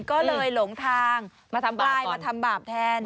ก็เลยหลงทางมาทำบาปแทน